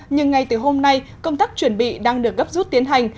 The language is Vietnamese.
nhưng ngay từ hôm nay công tác chuẩn bị đang được gấp rút tiến hành